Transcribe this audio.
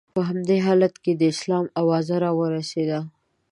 په همدې حالت کې د اسلام اوازه را ورسېده.